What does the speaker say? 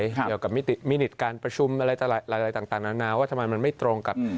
เกี่ยวกับมินิตการประชุมอะไรต่างนานาว่าทำไมมันไม่ตรงกับ